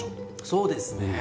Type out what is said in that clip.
そうですね。